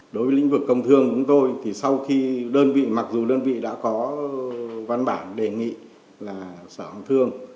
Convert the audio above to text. đối với lĩnh vực công thương chúng tôi thì sau khi đơn vị mặc dù đơn vị đã có văn bản đề nghị là sở công thương